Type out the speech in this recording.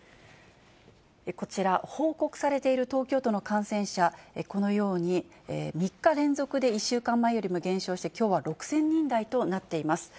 こちら、報告されている東京都の感染者、このように３日連続で１週間前よりも減少して、きょうは６０００人台となっています。